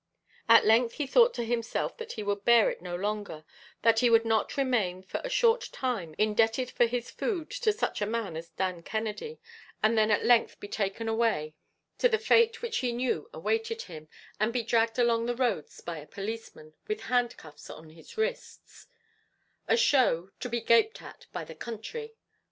At length he thought to himself that he would bear it no longer; that he would not remain for a short time indebted for his food to such a man as Dan Kennedy, and then at length be taken away to the fate which he knew awaited him, and be dragged along the roads by a policeman, with handcuffs on his wrists a show, to be gaped at by the country!